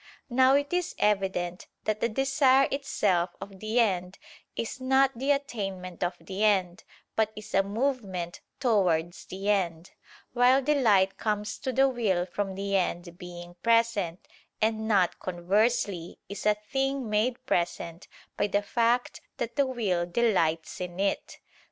Now it is evident that the desire itself of the end is not the attainment of the end, but is a movement towards the end: while delight comes to the will from the end being present; and not conversely, is a thing made present, by the fact that the will delights in it.